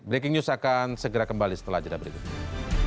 breaking news akan segera kembali setelah jadwal berikutnya